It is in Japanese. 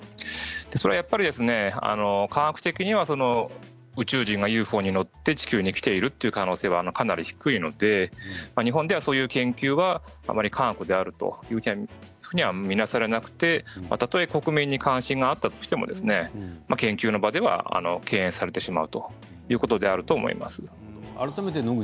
それはやっぱり科学的には宇宙人がＵＦＯに乗って地球に来ているという可能性はかなり低いので日本ではそういう研究はあまり科学であるというふうには見なされてたとえ国民に関心があったとしても研究の場では敬遠されてしまうということであると思います。